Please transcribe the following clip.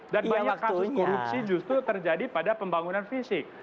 dan banyak kasus korupsi justru terjadi pada pembangunan fisik